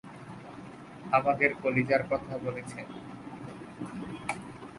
আমাদের কলিজার কথা বলেছে।